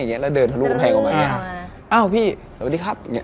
ย้อนแย้งอ่ะ